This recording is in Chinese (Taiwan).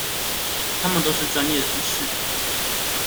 他們都是專業人士